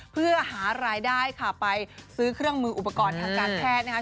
เพื่อหารายได้ค่ะไปซื้อเครื่องมืออุปกรณ์ทางการแพทย์นะคะ